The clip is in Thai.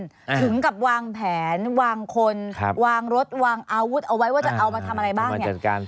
ถึงกับวางแผนวางคนวางรถวางอาวุธเอาไว้ว่าจะเอามาทำอะไรบ้างเนี่ย